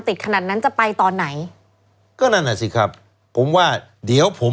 ขนาดนั้นจะไปตอนไหนก็นั่นอ่ะสิครับผมว่าเดี๋ยวผม